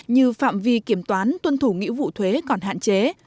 như phạm vi kiểm toán tuân thủ nghĩa vụ thuế còn hạn chế